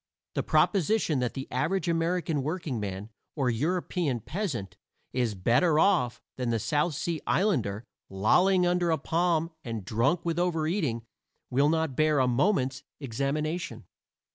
The proposition that the average American workingman or European peasant is "better off" than the South Sea islander, lolling under a palm and drunk with over eating, will not bear a moment's examination.